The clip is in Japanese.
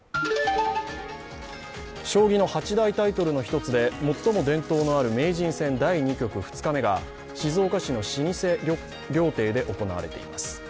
将棋の８大タイトルの一つで最も伝統のある名人戦第２局・２日目が静岡市の老舗料亭で行われています。